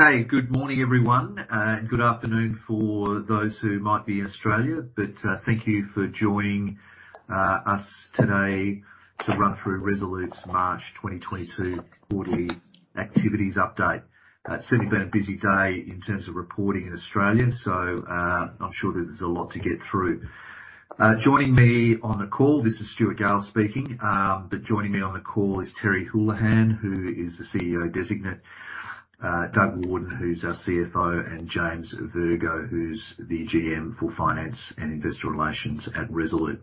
Okay, good morning, everyone, and good afternoon for those who might be in Australia. Thank you for joining us today to run through Resolute's March 2022 quarterly activities update. It's certainly been a busy day in terms of reporting in Australia, so I'm sure that there's a lot to get through. This is Stuart Gale speaking. Joining me on the call is Terry Holohan, who is the CEO designate, Doug Warden, who's our CFO, and James Virgo, who's the GM for Finance and Investor Relations at Resolute.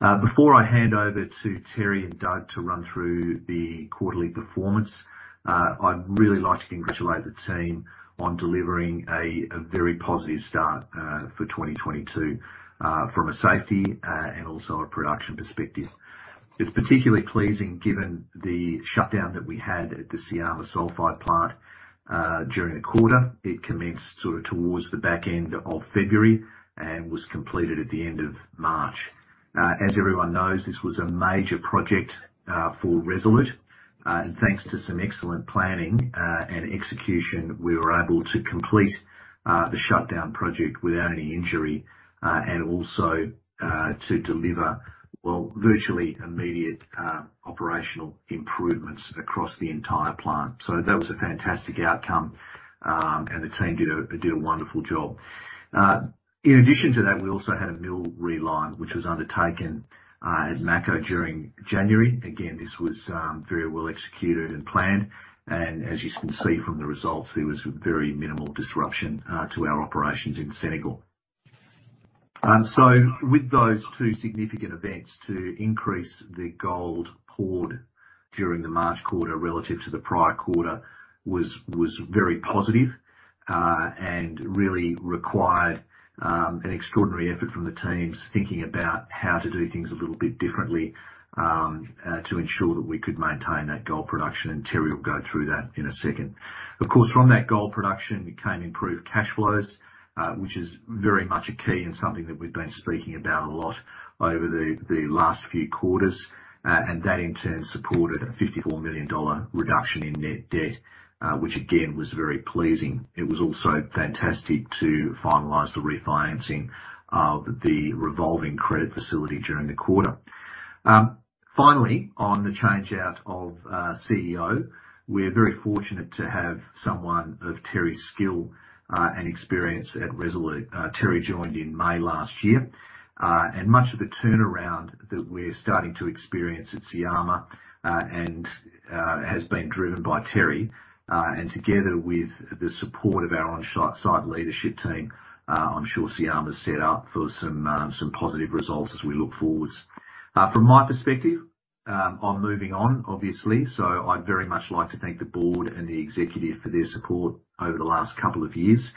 Before I hand over to Terry and Doug to run through the quarterly performance, I'd really like to congratulate the team on delivering a very positive start for 2022 from a safety and also a production perspective. It's particularly pleasing given the shutdown that we had at the Syama sulfide plant during the quarter. It commenced sort of towards the back end of February and was completed at the end of March. As everyone knows, this was a major project for Resolute, and thanks to some excellent planning and execution, we were able to complete the shutdown project without any injury and also to deliver, well, virtually immediate operational improvements across the entire plant. That was a fantastic outcome. The team did a wonderful job. In addition to that, we also had a mill reline, which was undertaken at Mako during January. Again, this was very well executed and planned, and as you can see from the results, there was very minimal disruption to our operations in Senegal. With those two significant events to increase the gold poured during the March quarter relative to the prior quarter was very positive, and really required an extraordinary effort from the teams thinking about how to do things a little bit differently, to ensure that we could maintain that gold production, and Terry will go through that in a second. Of course, from that gold production became improved cash flows, which is very much a key and something that we've been speaking about a lot over the last few quarters. That in turn supported an 54 million dollar reduction in net debt, which again, was very pleasing. It was also fantastic to finalize the refinancing of the revolving credit facility during the quarter. Finally, on the changeout of CEO, we're very fortunate to have someone of Terry's skill and experience at Resolute. Terry joined in May last year, and much of the turnaround that we're starting to experience at Syama and has been driven by Terry, and together with the support of our on-site leadership team, I'm sure Syama's set up for some positive results as we look forwards. From my perspective, I'm moving on, obviously, so I'd very much like to thank the board and the executive for their support over the last couple of years.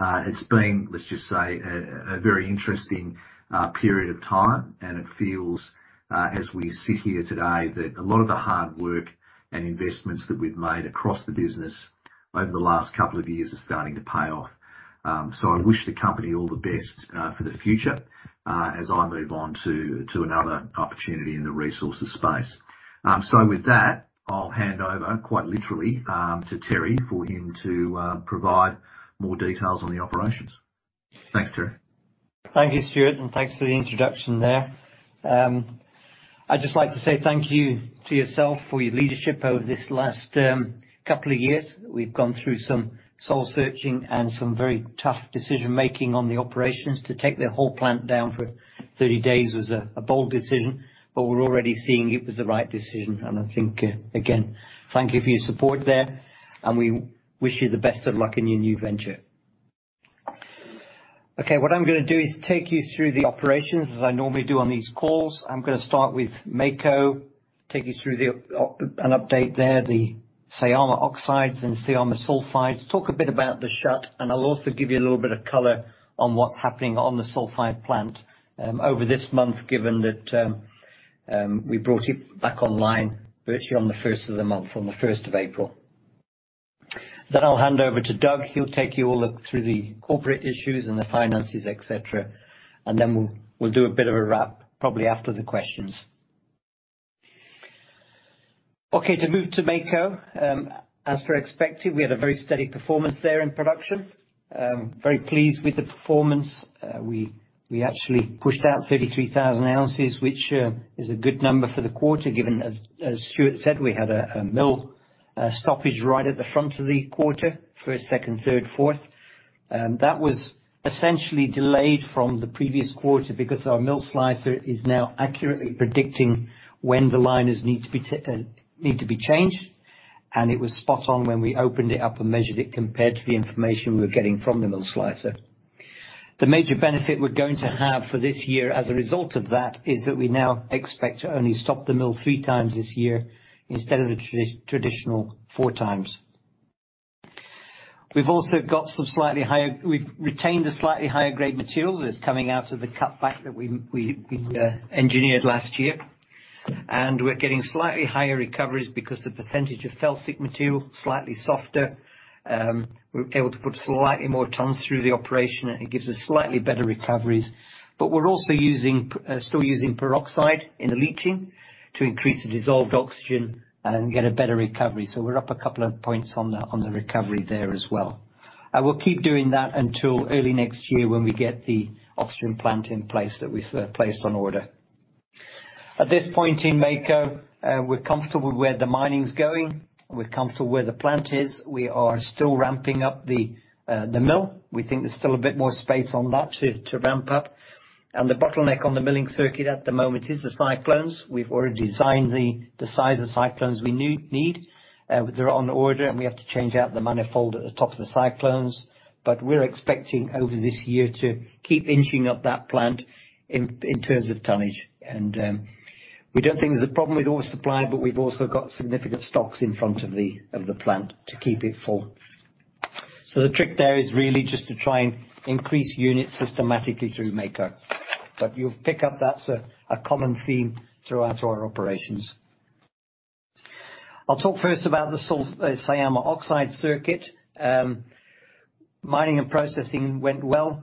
It's been, let's just say, a very interesting period of time, and it feels, as we sit here today, that a lot of the hard work and investments that we've made across the business over the last couple of years are starting to pay off. I wish the company all the best for the future, as I move on to another opportunity in the resources space. With that, I'll hand over quite literally to Terry for him to provide more details on the operations. Thanks, Terry. Thank you, Stuart, and thanks for the introduction there. I'd just like to say thank you to yourself for your leadership over this last couple of years. We've gone through some soul searching and some very tough decision-making on the operations. To take the whole plant down for 30 days was a bold decision, but we're already seeing it was the right decision. I think, again, thank you for your support there, and we wish you the best of luck in your new venture. Okay. What I'm gonna do is take you through the operations, as I normally do on these calls. I'm gonna start with Mako, take you through an update there, the Syama oxides and Syama sulfides, talk a bit about the shutdown, and I'll also give you a little bit of color on what's happening on the sulfide plant over this month, given that we brought it back online virtually on the first of the month, on the 1st of April. I'll hand over to Doug. He'll take you all through the corporate issues and the finances, et cetera. We'll do a bit of a wrap probably after the questions. Okay, to move to Mako. As expected, we had a very steady performance there in production. Very pleased with the performance. We actually pushed out 33,000 ounces, which is a good number for the quarter, given, as Stuart said, we had a mill stoppage right at the front of the quarter for a second, third, fourth. That was essentially delayed from the previous quarter because our MillSlicer is now accurately predicting when the liners need to be changed, and it was spot on when we opened it up and measured it compared to the information we were getting from the MillSlicer. The major benefit we're going to have for this year as a result of that is that we now expect to only stop the mill three times this year instead of the traditional four times. We've retained the slightly higher grade materials. It's coming out of the cutback that we engineered last year. We're getting slightly higher recoveries because the percentage of felsic material, slightly softer, we're able to put slightly more tons through the operation, and it gives us slightly better recoveries. We're also still using peroxide in the leaching to increase the dissolved oxygen and get a better recovery. We're up a couple of points on the recovery there as well. I will keep doing that until early next year when we get the oxygen plant in place that we've placed on order. At this point in Mako, we're comfortable with where the mining's going. We're comfortable where the plant is. We are still ramping up the mill. We think there's still a bit more space on that to ramp up. The bottleneck on the milling circuit at the moment is the cyclones. We've already designed the size of cyclones we need. They're on order, and we have to change out the manifold at the top of the cyclones. We're expecting over this year to keep inching up that plant in terms of tonnage. We don't think there's a problem with ore supply, but we've also got significant stocks in front of the plant to keep it full. The trick there is really just to try and increase units systematically through Mako. You'll pick up that's a common theme throughout our operations. I'll talk first about the Syama oxide circuit. Mining and processing went well.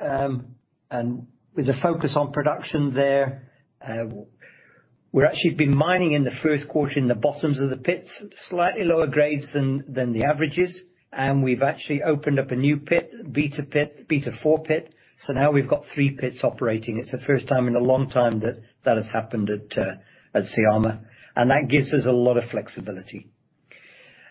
With a focus on production there, we've actually been mining in the first quarter in the bottoms of the pits, slightly lower grades than the averages, and we've actually opened up a new pit, Beta pit, Beta Four pit. Now we've got three pits operating. It's the first time in a long time that has happened at Syama, and that gives us a lot of flexibility.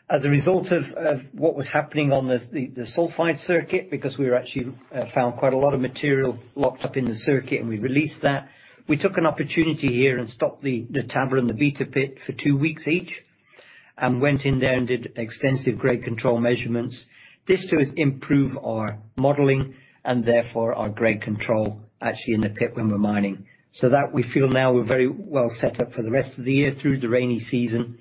As a result of what was happening on the sulfide circuit, because we actually found quite a lot of material locked up in the circuit, and we released that. We took an opportunity here and stopped the Tabakoroni and the Beta pit for two weeks each and went in there and did extensive grade control measurements. This to improve our modeling, and therefore our grade control actually in the pit when we're mining. That we feel now we're very well set up for the rest of the year through the rainy season.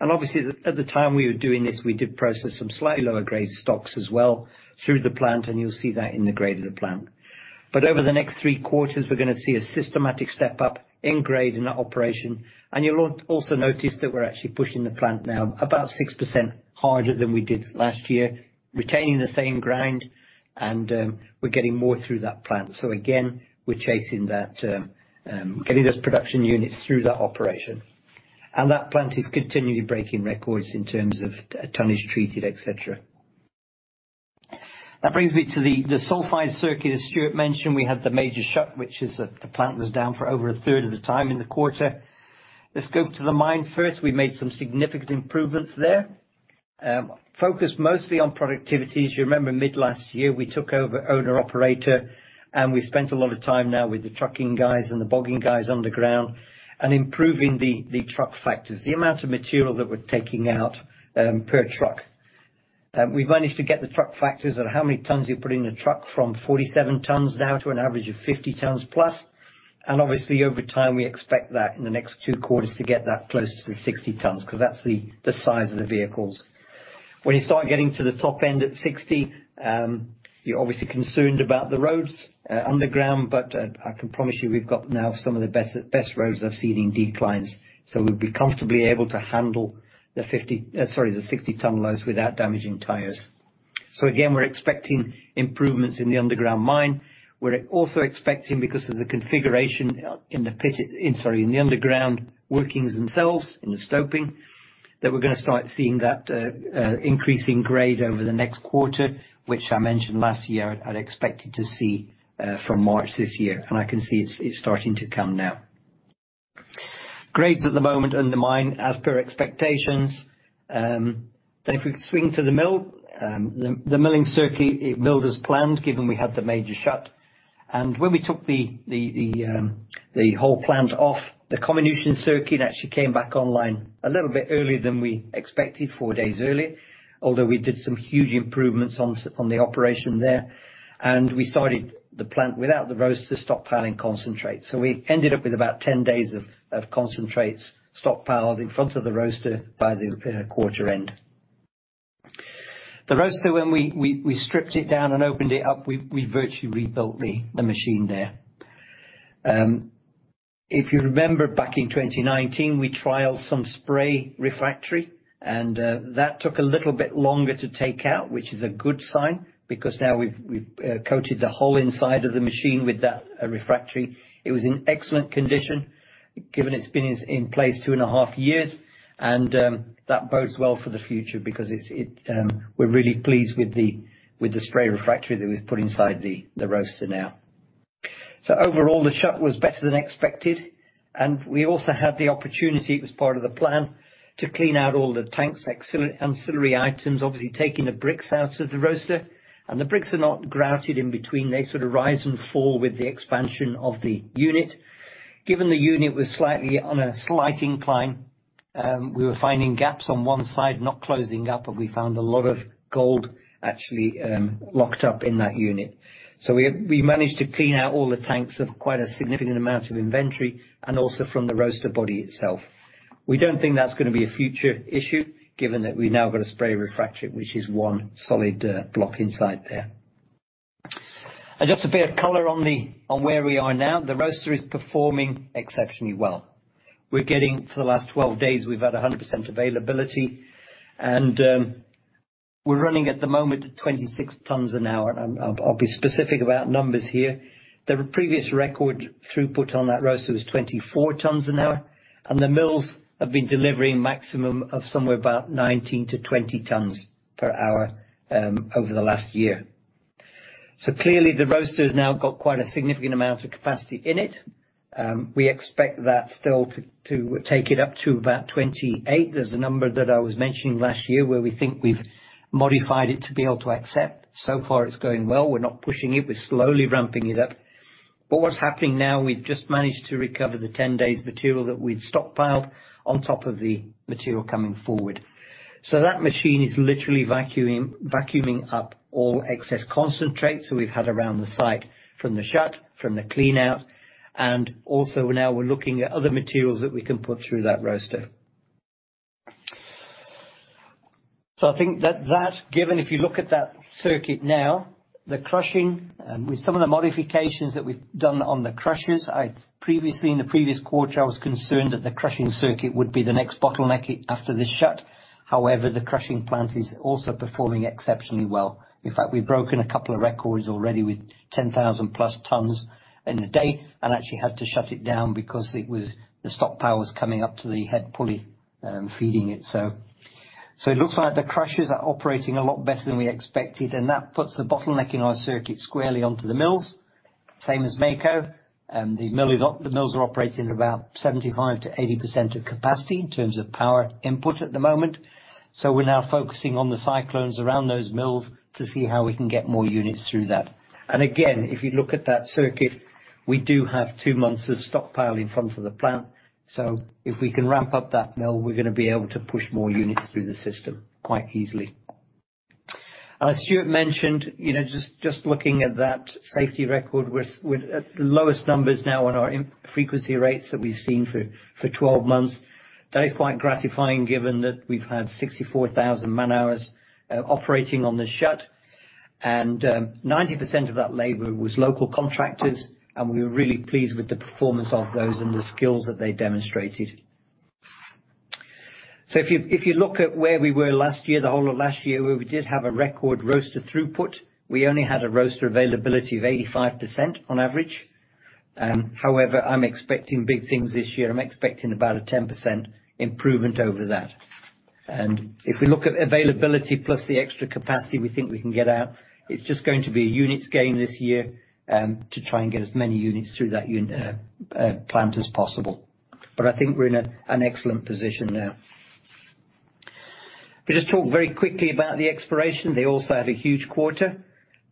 Obviously, at the time we were doing this, we did process some slightly lower grade stocks as well through the plant, and you'll see that in the grade of the plant. Over the next three quarters, we're gonna see a systematic step up in grade in that operation, and you'll also notice that we're actually pushing the plant now about 6% harder than we did last year, retaining the same ground, and we're getting more through that plant. Again, we're chasing that, getting those production units through that operation. That plant is continually breaking records in terms of tonnage treated, et cetera. That brings me to the sulfide circuit. As Stuart mentioned, we had the major shutdown, which is the plant was down for over a third of the time in the quarter. Let's go up to the mine first. We made some significant improvements there. Focused mostly on productivities. You remember mid last year, we took over owner-operator, and we spent a lot of time now with the trucking guys and the bogging guys on the ground and improving the truck factors, the amount of material that we're taking out per truck. We managed to get the truck factors of how many tons you put in a truck from 47 tons down to an average of 50 tons plus. Obviously, over time, we expect that in the next two quarters to get that close to the 60 tons, 'cause that's the size of the vehicles. When you start getting to the top end at 60 tons, you're obviously concerned about the roads underground, but I can promise you we've got now some of the best roads I've seen in declines. We'll be comfortably able to handle the 60 ton loads without damaging tires. Again, we're expecting improvements in the underground mine. We're also expecting, because of the configuration in the underground workings themselves, in the stoping, that we're gonna start seeing that increase in grade over the next quarter, which I mentioned last year I'd expected to see from March this year. I can see it's starting to come now. Grades at the moment in the mine, as per expectations. If we swing to the mill, the milling circuit, it milled as planned, given we had the major shutdown. When we took the whole plant off, the comminution circuit actually came back online a little bit earlier than we expected, four days earlier, although we did some huge improvements on the operation there. We started the plant without the roaster stockpiling concentrate. We ended up with about 10 days of concentrates stockpiled in front of the roaster by the quarter end. The roaster, when we stripped it down and opened it up, we virtually rebuilt the machine there. If you remember back in 2019, we trialed some spray refractory, and that took a little bit longer to take out, which is a good sign because now we've coated the whole inside of the machine with that refractory. It was in excellent condition given it's been in place two and half years, and that bodes well for the future because it's we're really pleased with the spray refractory that we've put inside the roaster now. So overall, the shut was better than expected, and we also had the opportunity, it was part of the plan, to clean out all the tanks, ancillary items, obviously taking the bricks out of the roaster. The bricks are not grouted in between. They sort of rise and fall with the expansion of the unit. Given the unit was slightly on a slight incline, we were finding gaps on one side not closing up, and we found a lot of gold actually locked up in that unit. We managed to clean out all the tanks of quite a significant amount of inventory and also from the roaster body itself. We don't think that's gonna be a future issue given that we've now got a spray refractory, which is one solid block inside there. Just a bit of color on where we are now. The roaster is performing exceptionally well. We're getting, for the last 12 days, we've had 100% availability, and we're running at the moment at 26 tons an hour. I'll be specific about numbers here. The previous record throughput on that roaster was 24 tons an hour, and the mills have been delivering maximum of somewhere about 19-20 tons per hour over the last year. Clearly the roaster's now got quite a significant amount of capacity in it. We expect that still to take it up to about 28 tons. There's a number that I was mentioning last year where we think we've modified it to be able to accept. So far it's going well. We're not pushing it. We're slowly ramping it up. What's happening now, we've just managed to recover the 10 days material that we'd stockpiled on top of the material coming forward. That machine is literally vacuuming up all excess concentrate so we've had around the site from the shut, from the cleanout, and also now we're looking at other materials that we can put through that roaster. I think that, given if you look at that circuit now, the crushing, with some of the modifications that we've done on the crushers, I previously, in the previous quarter, I was concerned that the crushing circuit would be the next bottleneck after this shut. However, the crushing plant is also performing exceptionally well. In fact, we've broken a couple of records already with 10,000+ tons in a day, and actually had to shut it down because it was, the stock pile was coming up to the head pulley, feeding it. It looks like the crushers are operating a lot better than we expected, and that puts the bottleneck in our circuit squarely onto the mills. Same as Mako. The mills are operating at about 75%-80% of capacity in terms of power input at the moment. We're now focusing on the cyclones around those mills to see how we can get more units through that. Again, if you look at that circuit, we do have two months of stockpile in front of the plant, so if we can ramp up that mill, we're gonna be able to push more units through the system quite easily. As Stuart mentioned, you know, just looking at that safety record, we're at the lowest numbers now on our injury frequency rates that we've seen for 12 months. That is quite gratifying given that we've had 64,000 man-hours operating on the shutdown, and 90% of that labor was local contractors, and we're really pleased with the performance of those and the skills that they demonstrated. If you look at where we were last year, the whole of last year, where we did have a record roaster throughput, we only had a roaster availability of 85% on average. However, I'm expecting big things this year. I'm expecting about a 10% improvement over that. If we look at availability plus the extra capacity we think we can get out, it's just going to be a units game this year to try and get as many units through that plant as possible. I think we're in an excellent position now. If we just talk very quickly about the exploration, they also had a huge quarter.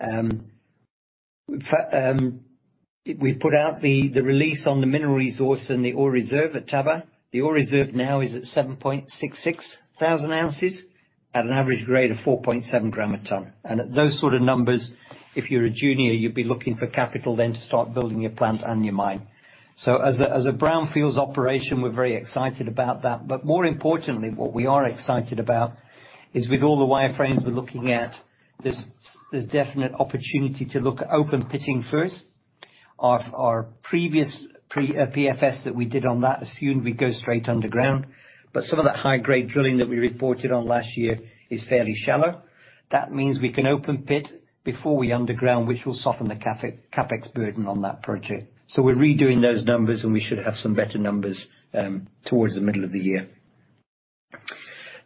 We put out the release on the Mineral Resource and the Ore Reserve at Tabakoroni. The Ore Reserve now is at 7.66 thousand ounces at an average grade of 4.7 g/t. At those sort of numbers, if you're a junior, you'd be looking for capital then to start building your plant and your mine. As a brownfields operation, we're very excited about that, but more importantly, what we are excited about is with all the wireframes we're looking at, there's definite opportunity to look at open pitting first. Our previous PFS that we did on that assumed we go straight underground, but some of that high-grade drilling that we reported on last year is fairly shallow. That means we can open pit before we underground, which will soften the CapEx burden on that project. We're redoing those numbers, and we should have some better numbers towards the middle of the year.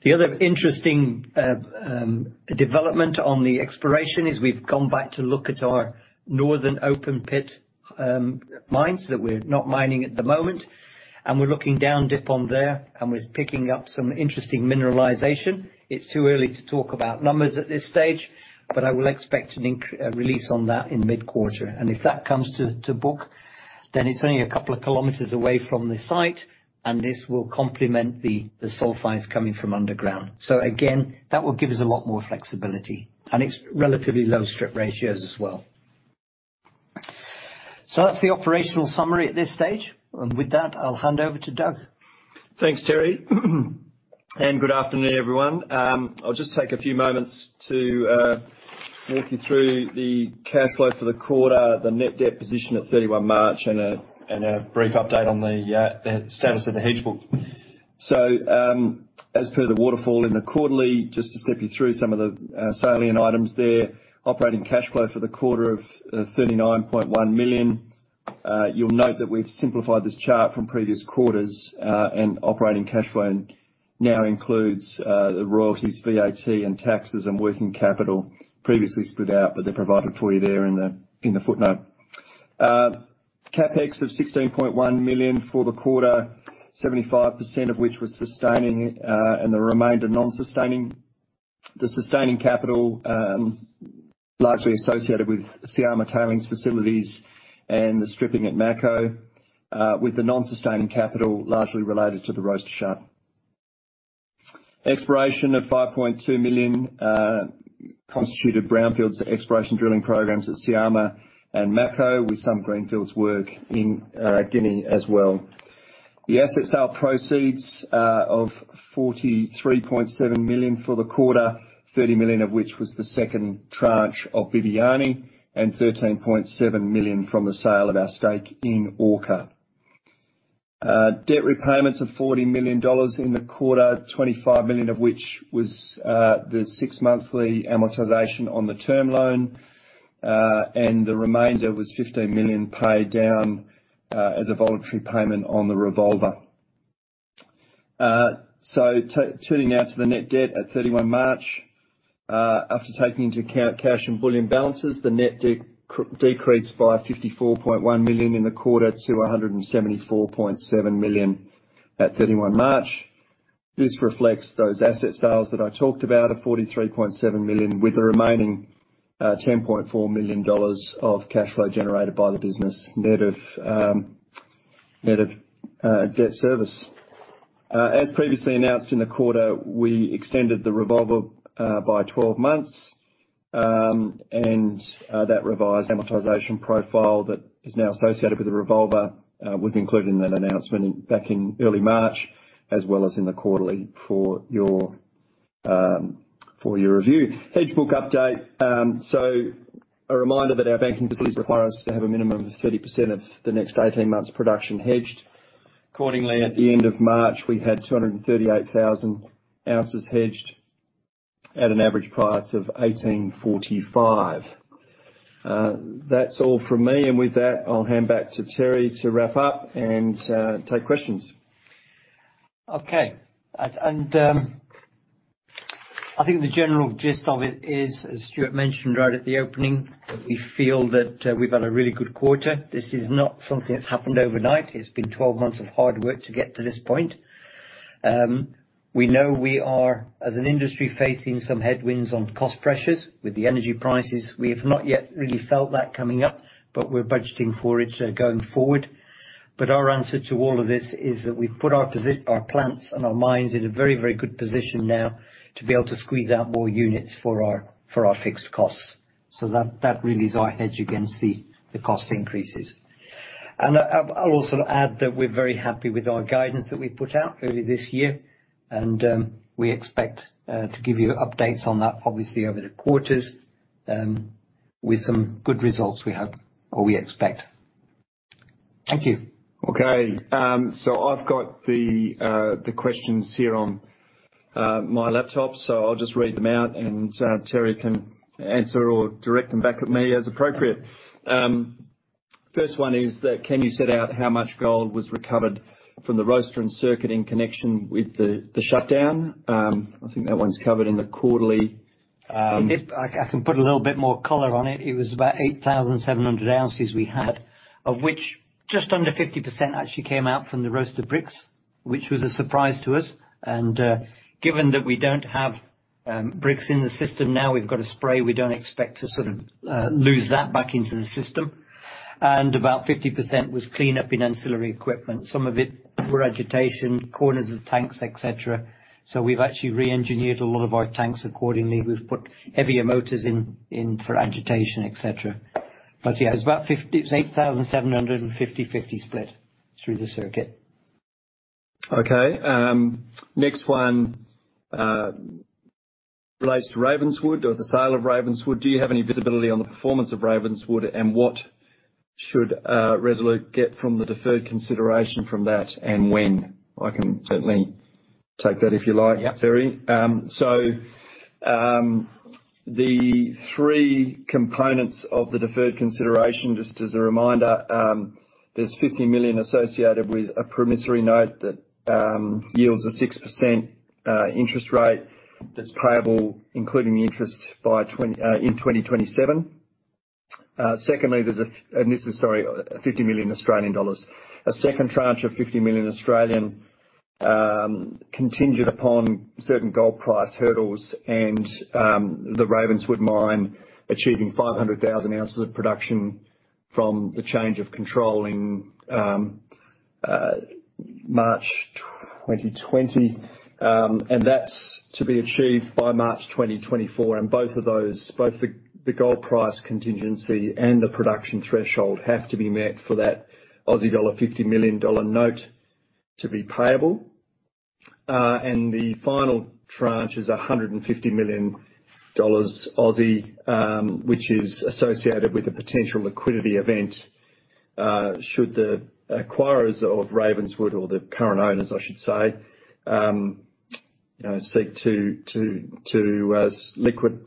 The other interesting development on the exploration is we've gone back to look at our northern open pit mines that we're not mining at the moment, and we're looking down dip on there, and we're picking up some interesting mineralization. It's too early to talk about numbers at this stage, but I will expect a release on that in mid-quarter. If that comes to book, then it's only a couple of kilometers away from the site, and this will complement the sulfides coming from underground. That will give us a lot more flexibility, and it's relatively low strip ratios as well. That's the operational summary at this stage. With that, I'll hand over to Doug. Thanks, Terry. Good afternoon, everyone. I'll just take a few moments to walk you through the cash flow for the quarter, the net debt position at 31 March and a brief update on the status of the hedge book. As per the waterfall in the quarterly, just to step you through some of the salient items there, operating cash flow for the quarter of $39.1 million. You'll note that we've simplified this chart from previous quarters, and operating cash flow now includes the royalties, VAT and taxes and working capital previously split out, but they're provided for you there in the footnote. CapEx of $16.1 million for the quarter, 75% of which was sustaining, and the remainder non-sustaining. The sustaining capital largely associated with Syama Tailings facilities and the stripping at Mako, with the non-sustaining capital largely related to the roaster shutdown. Exploration of $5.2 million constituted brownfields exploration drilling programs at Syama and Mako, with some greenfields work in Guinea as well. The asset sale proceeds of $43.7 million for the quarter, $30 million of which was the second tranche of Bibiani, and $13.7 million from the sale of our stake in Orca. Debt repayments of $40 million in the quarter, $25 million of which was the six-monthly amortization on the term loan, and the remainder was $15 million paid down as a voluntary payment on the revolver. Turning now to the net debt at 31 March. After taking into account cash and bullion balances, the net decreased by $54.1 million in the quarter to $174.7 million at 31 March. This reflects those asset sales that I talked about, of $43.7 million, with the remaining $10.4 million dollars of cash flow generated by the business, net of debt service. As previously announced in the quarter, we extended the revolver by 12 months. That revised amortization profile that is now associated with the revolver was included in that announcement back in early March, as well as in the quarterly for your review. Hedge book update. A reminder that our banking facilities require us to have a minimum of 30% of the next 18 months production hedged. Accordingly, at the end of March, we had 238,000 ounces hedged at an average price of $1,845. That's all from me. With that, I'll hand back to Terry to wrap up and take questions. Okay. I think the general gist of it is, as Stuart mentioned right at the opening, that we feel that we've had a really good quarter. This is not something that's happened overnight. It's been 12 months of hard work to get to this point. We know we are, as an industry, facing some headwinds on cost pressures with the energy prices. We have not yet really felt that coming up, but we're budgeting for it going forward. Our answer to all of this is that we've put our plants and our mines in a very, very good position now to be able to squeeze out more units for our fixed costs. That really is our hedge against the cost increases. I'll also add that we're very happy with our guidance that we put out early this year. We expect to give you updates on that obviously over the quarters with some good results we have or we expect. Thank you. Okay. I've got the questions here on my laptop. I'll just read them out and Terry can answer or direct them back at me as appropriate. First one is, can you set out how much gold was recovered from the roaster and circuit in connection with the shutdown? I think that one's covered in the quarterly. I can put a little bit more color on it. It was about 8,700 ounces we had, of which just under 50% actually came out from the roaster bricks, which was a surprise to us. Given that we don't have bricks in the system now, we've got a spray. We don't expect to sort of lose that back into the system. About 50% was clean up in ancillary equipment. Some of it were agitation, corners of tanks, et cetera. We've actually re-engineered a lot of our tanks accordingly. We've put heavier motors in for agitation, et cetera. Yeah, it's 8,750, 50 split through the circuit. Okay. Next one relates to Ravenswood or the sale of Ravenswood. Do you have any visibility on the performance of Ravenswood? What should Resolute get from the deferred consideration from that, and when? I can certainly take that if you like, Terry. Yeah. The three components of the deferred consideration, just as a reminder, there's 50 million associated with a promissory note that yields a 6% interest rate that's payable including the interest in 2027. Secondly, this is 50 million Australian dollars. A second tranche of 50 million contingent upon certain gold price hurdles and the Ravenswood mine achieving 500,000 ounces of production from the change of control in March 2020. That's to be achieved by March 2024. Both of those, both the gold price contingency and the production threshold have to be met for that Aussie dollar 50 million dollar note to be payable. The final tranche is 150 million Aussie dollars, which is associated with a potential liquidity event. Should the acquirers of Ravenswood or the current owners, I should say, you know, seek to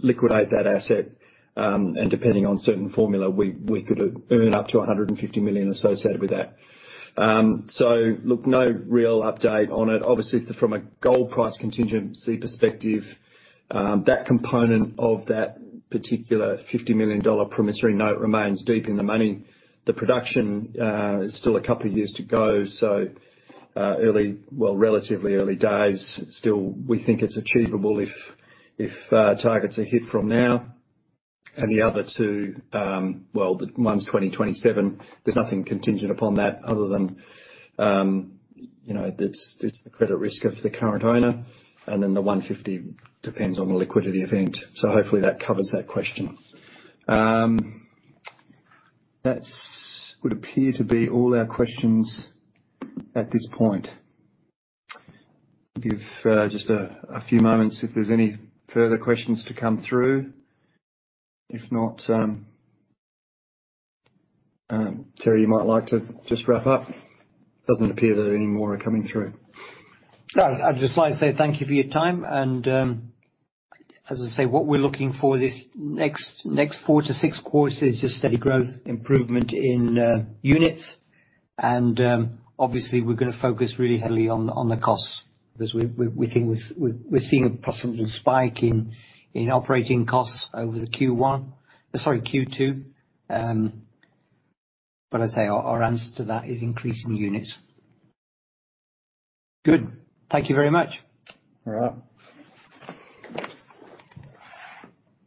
liquidate that asset, and depending on certain formula, we could earn up to 150 million associated with that. Look, no real update on it. Obviously, from a gold price contingency perspective, that component of that particular 50 million dollar promissory note remains deep in the money. The production is still a couple of years to go, early, well, relatively early days still. We think it's achievable if targets are hit from now. The other two, well, one's 2027, there's nothing contingent upon that other than, you know, it's the credit risk of the current owner. The 150 million depends on the liquidity event. Hopefully that covers that question. That would appear to be all our questions at this point. Give just a few moments if there's any further questions to come through. If not, Terry, you might like to just wrap up. Doesn't appear that any more are coming through. No, I'd just like to say thank you for your time. As I say, what we're looking for this next four to six quarters is just steady growth, improvement in units. Obviously we're gonna focus really heavily on the costs because we think we're seeing a possible spike in operating costs over the Q1, sorry, Q2. As I say, our answer to that is increasing units. Good. Thank you very much. All right.